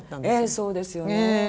そうですよね。